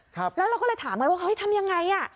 แล้วเราก็เลยถามว่าเฮ้ยทำยังไง